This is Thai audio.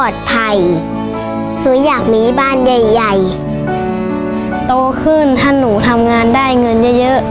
ตัวขึ้นถ้าหนูทำงานได้เงินเยอะ